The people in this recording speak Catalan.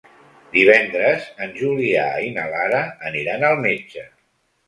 Divendres en Julià i na Lara aniran al metge.